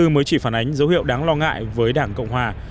mới chỉ phản ánh dấu hiệu đáng lo ngại với đảng cộng hòa